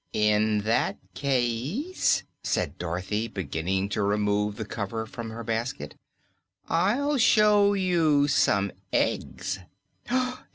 "In that case," said Dorothy, beginning to remove the cover from her basket, "I'll show you some eggs."